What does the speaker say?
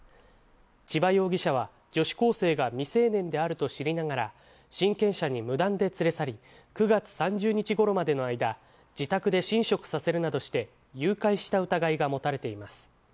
千葉容疑者は女子高生が未成年であると知りながら、親権者に無断で連れ去り、９月３０日ごろまでの間、自宅で寝食させるなどして、誘拐した疑いが持たれています。